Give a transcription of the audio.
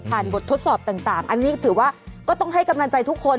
บททดสอบต่างอันนี้ถือว่าก็ต้องให้กำลังใจทุกคน